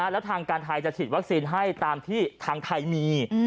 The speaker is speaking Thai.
แล้วทางการไทยจะฉีดวัคซีนให้ตามที่ทางไทยมี